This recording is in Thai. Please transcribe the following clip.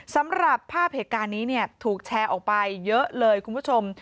สำหรับภาพเหตุการณ์นี้เนี่ยถูกแชร์ออกไปเยอะเลยคุณผู้ชม